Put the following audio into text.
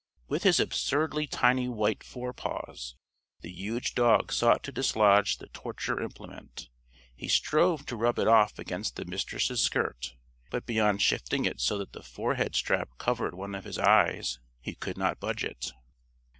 With his absurdly tiny white forepaws, the huge dog sought to dislodge the torture implement. He strove to rub it off against the Mistress' skirt. But beyond shifting it so that the forehead strap covered one of his eyes, he could not budge it.